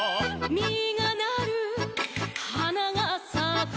「みがなるはながさく」